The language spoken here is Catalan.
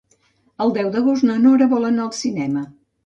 El deu d'agost na Nora vol anar al cinema.